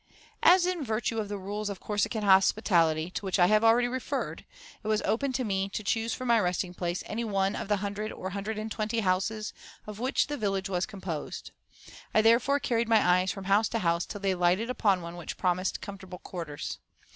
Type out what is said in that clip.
As in virtue of the rules of Corsican hospitality, to which I have already referred, it was open to me to choose for my resting place any one of the hundred or hundred and twenty houses of which the village was composed, I therefore carried my eyes from house to house till they lighted upon one which promised comfortable quarters.